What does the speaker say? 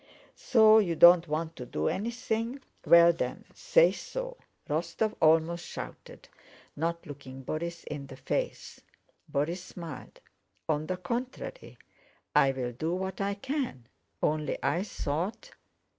"So you don't want to do anything? Well then, say so!" Rostóv almost shouted, not looking Borís in the face. Borís smiled. "On the contrary, I will do what I can. Only I thought..."